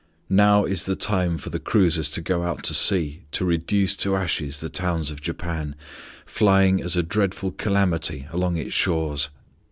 Now is the time for the cruisers to go out to sea to reduce to ashes the towns of Japan, flying as a dreadful calamity along its shores.